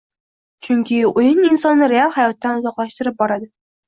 Chunki oʻyin insonni real hayotdan uzoqlashtira boradi